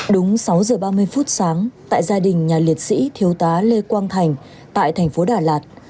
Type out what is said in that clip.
đúng sáu giờ ba mươi phút sáng tại gia đình nhà liệt sĩ thiếu tá lê quang thành tại thành phố đà lạt